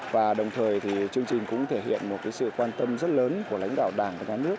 và đồng thời thì chương trình cũng thể hiện một sự quan tâm rất lớn của lãnh đạo đảng và nhà nước